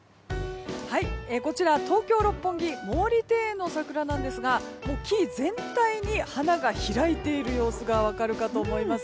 こちら東京・六本木毛利庭園の桜なんですが木全体に花が開いている様子が分かるかと思います。